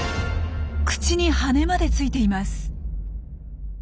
口に羽根までついています。